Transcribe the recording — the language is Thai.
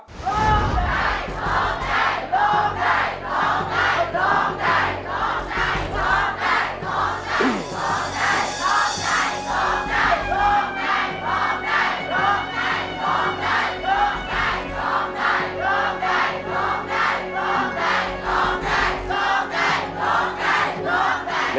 ร้องได้